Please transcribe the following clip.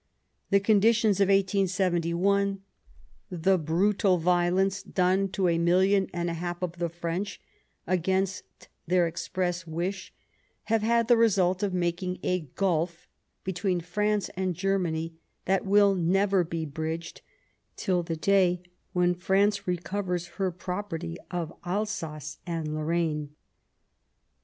The conditions of 1871, the brutal violence done to a million and a half of the French against their express wish, have had the result of making a gulf between France and Germany that will never be bridged till the day when France recovers her property of Alsace and Lorraine.